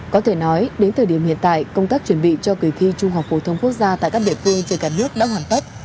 có thể nói đến thời điểm hiện tại công tác chuẩn bị cho kỳ thi trung học phổ thông quốc gia tại các địa phương trên cả nước đã hoàn tất